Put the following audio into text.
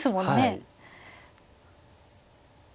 はい。